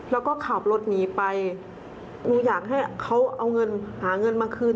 แล้วก็ขับรถหนีไปหนูอยากให้เขาเอาเงินหาเงินมาคืน